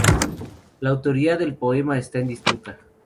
La autoría del poema está en disputa.